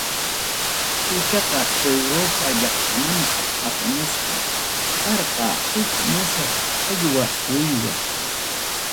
Truchaqa Europa llaqtamantam apamusqa karqa, huk musuq challwa uywa.